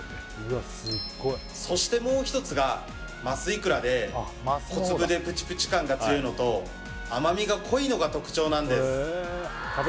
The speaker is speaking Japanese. そしてもう１つがマスいくらで小粒でプチプチ感が強いのと甘みが濃いのが特徴なんです